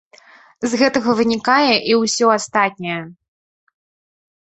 З гэтага вынікае і ўсё астатняе.